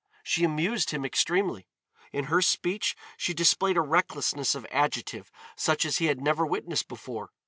She amused him extremely. In her speech she displayed a recklessness of adjective such as he had never witnessed before.